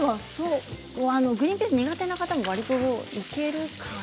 でもグリンピースが苦手な方でもわりといけるかな。